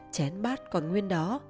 chén bát còn nguyên đó